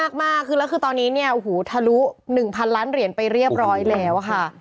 มากคือแล้วคือตอนนี้เนี่ยโอ้โหทะลุ๑๐๐ล้านเหรียญไปเรียบร้อยแล้วค่ะ